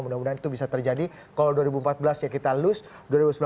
mudah mudahan itu bisa terjadi kalau dua ribu empat belas ya kita lose